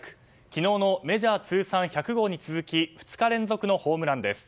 昨日のメジャー通算１００号に続き２日連続のホームランです。